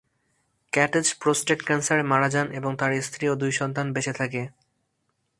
Katz prostate ক্যান্সারে মারা যান এবং তার স্ত্রী ও দুই সন্তান বেঁচে থাকে।